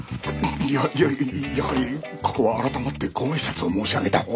やややはりここは改まってご挨拶を申し上げたほうが。